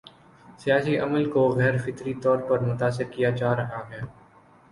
سیاسی عمل کو غیر فطری طور پر متاثر کیا جا رہا ہے۔